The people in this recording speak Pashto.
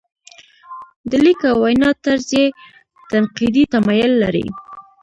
د لیک او وینا طرز یې تنقیدي تمایل لري.